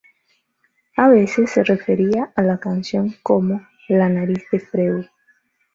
A veces se refería a la canción como "La nariz de Freud".